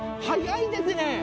速いですね！